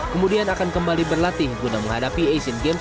kemudian akan kembali berlatih untuk menghadapi asian games dua ribu delapan belas